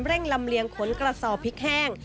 แร่งลำเลียงขนกระซอร์พริกแห้ง